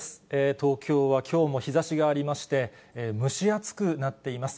東京はきょうも日ざしがありまして、蒸し暑くなっています。